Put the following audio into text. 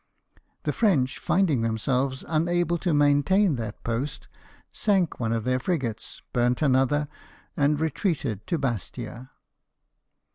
The French, finding themselves unable to maintain F 2 68 LIFE OF NELSON. t.hat post, sank one of their frigates, burnt another, and retreated to Bastia.